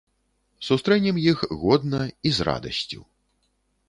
Сустрэнем іх годна і з радасцю.